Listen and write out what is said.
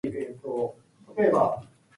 It is situated at the mouth of Big Otter Creek.